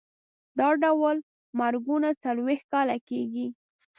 دا ډول مرګونه څلوېښت کاله کېږي.